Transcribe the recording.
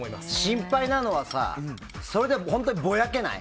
心配なのはそれで本当にぼやけない？